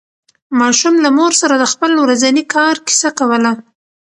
ماشوم له مور سره د خپل ورځني کار کیسه کوله